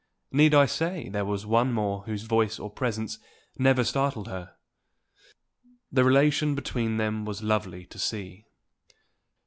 Need I say there was one more whose voice or presence never startled her? The relation between them was lovely to see.